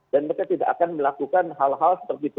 dan mereka tidak akan melakukan hal hal seperti itu